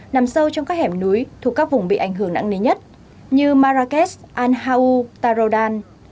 nằm sâu trong các hẻm núi thuộc các vùng bị ảnh hưởng nặng nề nhất như marrakesh al hau tarodan